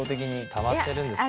たまってるんですね。